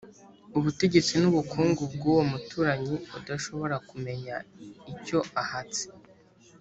ubutegetsi n'ubukungu bw'uwo muturanyi udashobora kumenya icyo ahatse?